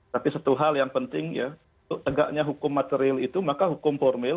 tapi satu hal yang penting ya untuk tegaknya hukum materil itu maka hukum formil